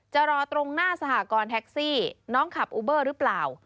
รอตรงหน้าสหกรณ์แท็กซี่น้องขับอูเบอร์หรือเปล่า